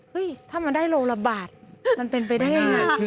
เฮ่ยถ้ามันได้โลละบาทมันเป็นไปได้ไหม